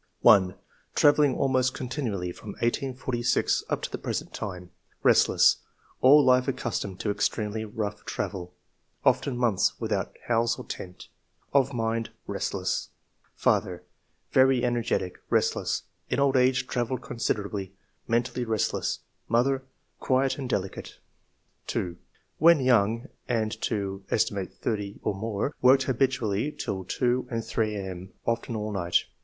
1. '* Travelling almost continually from 1846 up to the present time. Restless. All life ac customed to extremely rough travel ; often months without house or tent. Of mind — restless. " Father — Very energetic ; restless. In old age travelled considerably. Mentally restless. Mother — Quiet and delicate." 2. " When young, and to set. thirty or more, worked habitually till two and three a.m., often all night.